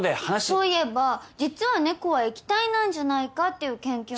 そういえば実は猫は液体なんじゃないかっていう研究も。